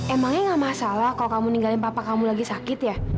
emangnya gak masalah kalau kamu ninggalin papa kamu lagi sakit ya